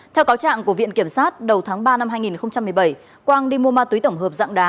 theo cáo trạng của viện kiểm sát đầu tháng ba năm hai nghìn một mươi bảy quang đi mua ma túy tổng hợp dạng đá